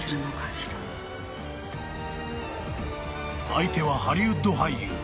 ［相手はハリウッド俳優］